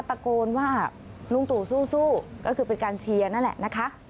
ตะโกนว่าลุงตู่สู้ก็คือเป็นการเชียร์นั่นแหละนะคะ